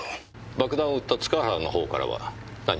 爆弾を売った塚原の方からは何か？